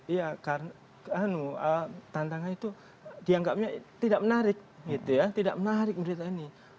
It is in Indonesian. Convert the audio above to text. iya karena tantangan itu dianggapnya tidak menarik tidak menarik berita ini